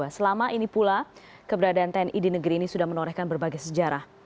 selama ini pula keberadaan tni di negeri ini sudah menorehkan berbagai sejarah